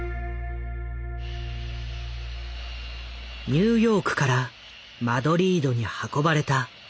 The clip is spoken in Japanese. ニューヨークからマドリードに運ばれた「ゲルニカ」。